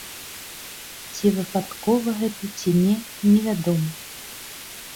Ці выпадкова гэта, ці не, невядома.